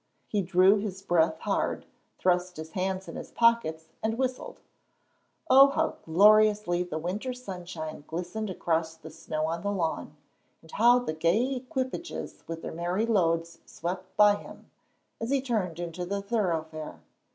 He drew his breath hard, thrust his hands in his pockets, and whistled. Oh, how gloriously the winter sunshine glistened across the snow on the lawn, and how the gay equipages with their merry loads swept by him, as he turned into the thoroughfare!